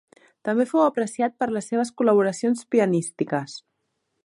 També fou apreciat per les seves col·laboracions pianístiques.